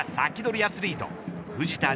アツリート藤田譲